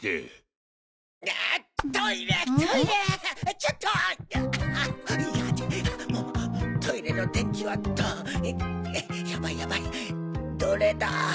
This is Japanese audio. ちょっとトイレの電気はっとヤバいヤバいどれだ？